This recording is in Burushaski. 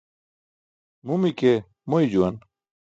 Mumi ke moy juwan.